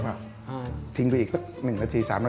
มันเป็นอังสาร